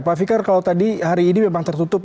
pak fikar kalau tadi hari ini memang tertutup